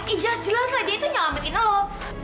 eh jelas jelas lah dia itu nyelamatin lo